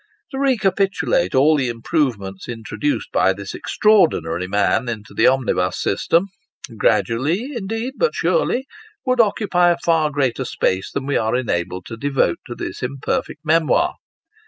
To recapitulate all the improvements introduced by this extra ordinary man, into the omnibus system gradually, indeed, but surely would occupy a far greater space than we are enabled to devote to this imperfect memoir.